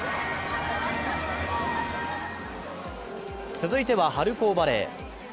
続いては春高バレー。